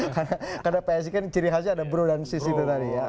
karena psidki ciri khasnya ada bro dan sis itu tadi